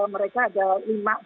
mereka ada lima